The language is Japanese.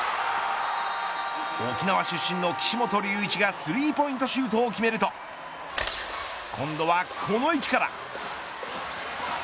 沖縄出身の岸本隆一がスリーポイントシュートを決めると今度はこの位置から。